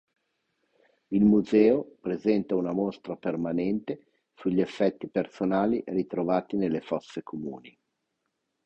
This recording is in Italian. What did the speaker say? Il museo presenta una mostra permanente sugli effetti personali ritrovati nelle fosse comuni.